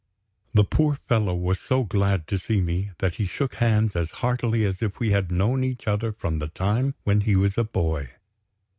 The poor fellow was so glad to see me that he shook hands as heartily as if we had known each other from the time when he was a boy.